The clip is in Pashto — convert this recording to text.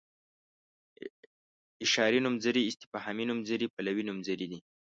اشاري نومځري استفهامي نومځري پلوي نومځري دي.